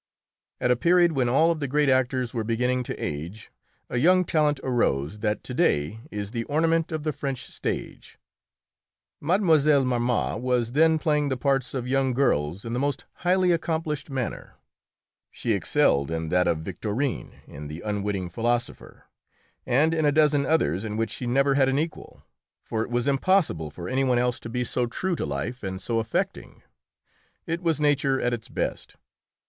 At a period when all of the great actors were beginning to age, a young talent arose that to day is the ornament of the French stage: Mlle. Mars was then playing the parts of young girls in the most highly accomplished manner; she excelled in that of Victorine in "The Unwitting Philosopher," and in a dozen others in which she never had an equal. For it was impossible for any one else to be so true to life and so affecting; it was nature at its best.